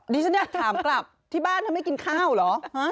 ฉันอยากถามกลับที่บ้านถ้าไม่กินข้าวเหรอ